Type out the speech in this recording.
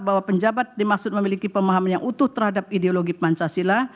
bahwa penjabat dimaksud memiliki pemahaman yang utuh terhadap ideologi pancasila